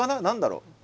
何だろう。